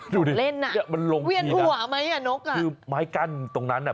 ดูดิมันลงทีนะเวียนหัวมั้ยอ่ะนกอ่ะคือไม้กั้นตรงนั้นนะ